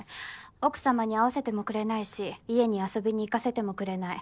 奥様に会わせてもくれないし家に遊びにいかせてもくれない。